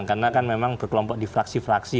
karena kan memang berkelompok di fraksi fraksi